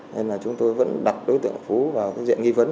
nên là chúng tôi vẫn đặt đối tượng phú vào cái diện nghi vấn